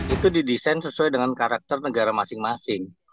itu didesain sesuai dengan karakter negara masing masing